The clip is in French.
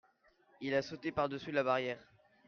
il a sauté par-dessus la barrière.